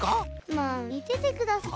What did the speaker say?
まあみててください。